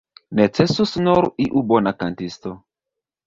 Necesus nur iu bona kantisto.